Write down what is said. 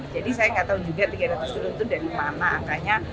jadi saya tidak tahu juga tiga ratus triliun itu dari mana angkanya